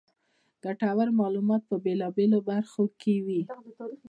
ګټورمعلومات په بېلا بېلو برخو کې دي.